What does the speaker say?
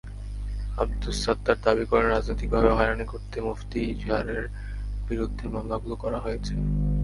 আবদুস সাত্তার দাবি করেন, রাজনৈতিকভাবে হয়রানি করতে মুফতি ইজাহারের বিরুদ্ধে মামলাগুলো করা হয়েছে।